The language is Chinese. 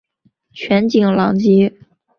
全景廊街。